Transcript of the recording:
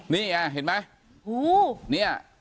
นี่เห็นไหม